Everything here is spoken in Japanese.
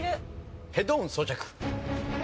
ヘッドホン装着。